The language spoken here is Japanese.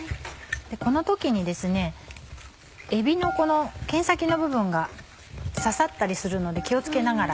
この時にえびのこの剣先の部分が刺さったりするので気を付けながら。